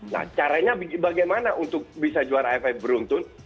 nah caranya bagaimana untuk bisa juara aff beruntun